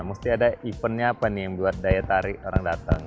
mesti ada eventnya apa nih yang buat daya tarik orang datang